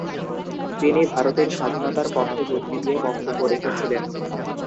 তিনি ভারতের স্বাধীনতার পক্ষে যুক্তি নিয়ে বক্তব্য রেখেছিলেন।